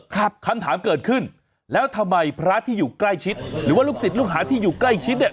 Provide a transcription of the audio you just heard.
คำถามเกิดขึ้นแล้วทำไมพระที่อยู่ใกล้ชิดหรือว่าลูกศิษย์ลูกหาที่อยู่ใกล้ชิดเนี่ย